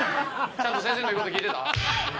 「ちゃんと先生の言う事聞いてた？」